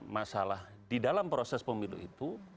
masalah di dalam proses pemilu itu